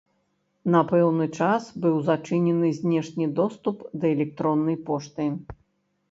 На пэўны час быў зачынены знешні доступ да электроннай пошты.